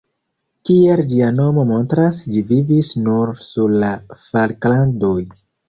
Kiel ĝia nomo montras, ĝi vivis nur sur la Falklandoj.